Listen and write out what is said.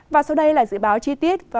và sau đây là dự báo chi tiết